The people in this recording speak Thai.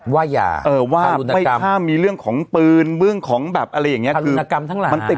ว่าอย่าเออว่าไม่ท่ามีเรื่องของปืนเรื่องของแบบอะไรอย่างเงี้ยกรรมทั้งหลาย